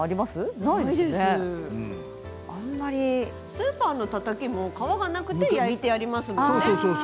スーパーのたたきも皮がなくて焼いてありますものね。